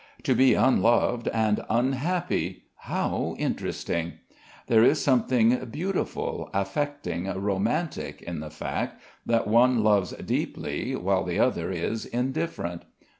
To be unloved and unhappy how interesting. There is something beautiful, affecting, romantic in the fact that one loves deeply while the other is indifferent.